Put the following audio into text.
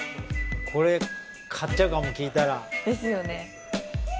これ買っちゃうかも聞いたらですよね